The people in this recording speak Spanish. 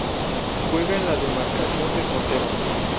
Juega en la demarcación de portero.